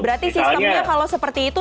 berarti sistemnya kalau seperti itu